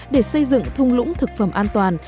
để xây dựng thung lũng thực phẩm an toàn